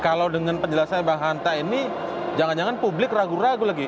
kalau dengan penjelasan bang hanta ini jangan jangan publik ragu ragu lagi